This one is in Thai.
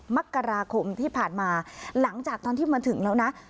มกราคมที่ผ่านมาหลังจากตอนที่มาถึงแล้วนะ